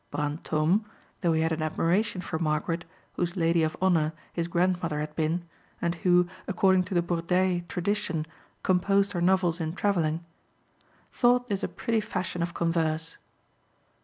Brantôme (though he had an admiration for Margaret, whose lady of honour his grandmother had been, and who, according to the Bourdeilles tradition, composed her novels in travelling) thought this a pretty fashion of converse.